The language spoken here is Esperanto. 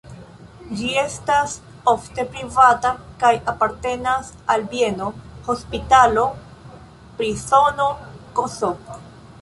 Ĝi estas ofte privata kaj apartenas al bieno, hospitalo, prizono ks.